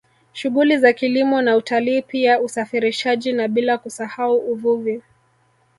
Shughuli za kilimo na utalii pia usafirishaji na bila kusahau uvuvi